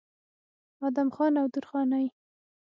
ادم خان او درخانۍ